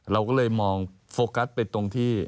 เราก็เลยมองโฟกัสไปตรงที่